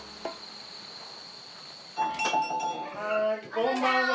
こんばんは。